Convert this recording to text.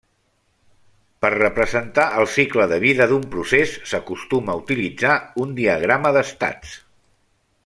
Per representar el cicle de vida d'un procés s'acostuma a utilitzar un diagrama d'estats.